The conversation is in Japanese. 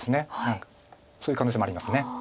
そういう可能性もあります。